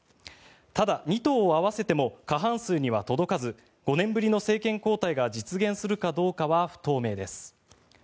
ただ、２党を合わせても過半数には届かず５年ぶりの政権交代が実現するかどうかは不透明です。